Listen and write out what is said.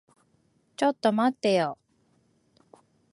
ちょっと待ってよ。